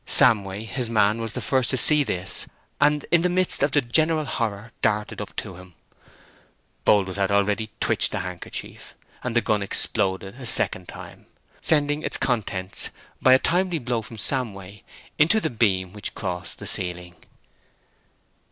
Samway his man was the first to see this, and in the midst of the general horror darted up to him. Boldwood had already twitched the handkerchief, and the gun exploded a second time, sending its contents, by a timely blow from Samway, into the beam which crossed the ceiling.